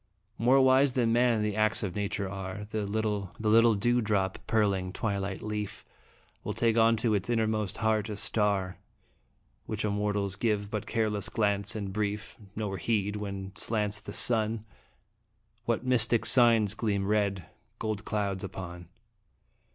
More wise than man the acts of Nature are The little dewdrop pearling twilight leaf Will take unto its inmost heart a star Which mortals give but careless glance and brief, Nor heed when slants the sun What mystic signs gleam red, gold clouds upon. HJramalic in iftn EDestinn.